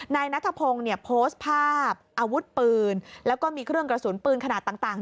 นายนัทพงศ์เนี่ยโพสต์ภาพอาวุธปืนแล้วก็มีเครื่องกระสุนปืนขนาดต่าง